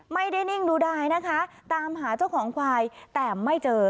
นิ่งดูดายนะคะตามหาเจ้าของควายแต่ไม่เจอ